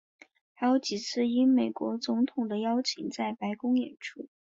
还有几次应美国总统的邀请在白宫演出。